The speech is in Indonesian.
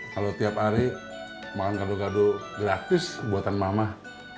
kalau tiap hari makan gado gado gratis buatan mamah